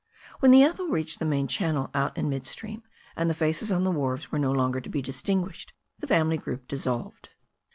When the Ethel reached the main channel out in mid stream, and the faces on the wharves were no longer to be distinguished, the family group dissolved.